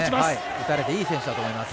打たれていい選手だと思います。